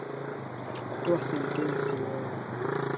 Toa sentensi wewe